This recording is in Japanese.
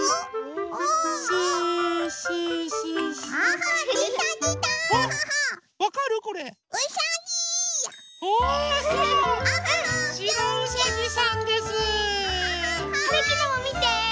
はるきのもみて！